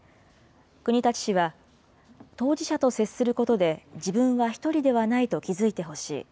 国立市は、当事者と接することで、自分は１人ではないと気付いてほしい。